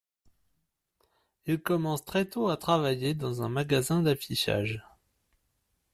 Il commence très tôt à travailler dans un magasin d'affichage.